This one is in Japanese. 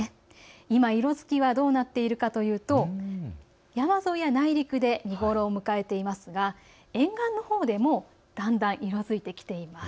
今、色づきはどうなっているかというと山沿いや内陸で見頃を迎えていますが沿岸のほうでもだんだん色づいてきています。